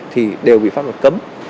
thì đều bị pháp luật cấm